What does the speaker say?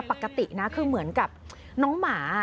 ปกตินะคือเหมือนกับน้องหมา